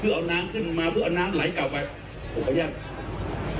เพื่อเอาน้ำขึ้นมาเพื่อเอาน้ำไหลอากลบโปปุ๊ะย่างธุ๊ก๒๐๒๕